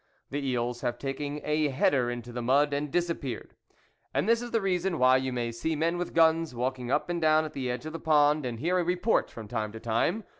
The eels have taken a header into the mud and disappeared ; and this is the reason why you may see men with guns walking up and down at the edge of the pond, and hear a report from time to time.